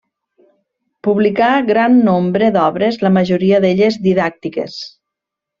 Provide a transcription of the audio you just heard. Publicà gran nombre d'obres, la majoria d'elles didàctiques.